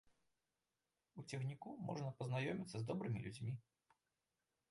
У цягніку можна пазнаёміцца з добрымі людзьмі.